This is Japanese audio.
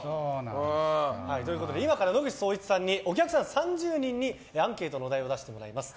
今から野口聡一さんにお客さん３０人にアンケートのお題を出してもらいます。